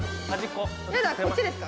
こっちですか？